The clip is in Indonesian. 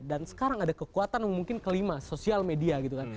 dan sekarang ada kekuatan mungkin kelima sosial media gitu kan